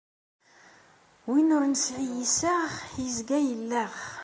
Win ur nesɛi iseɣ, yezga yelleɣ.